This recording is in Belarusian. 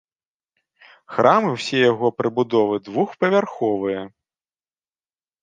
Храм і ўсе яго прыбудовы двухпавярховыя.